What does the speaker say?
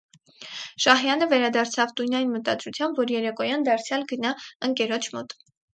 Շահյանը վերադարձավ տուն այն մտադրությամբ, որ երեկոյան դարձյալ գնա ընկերոջ մոտ: